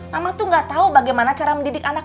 mama tuh gak tahu bagaimana cara mendidik anak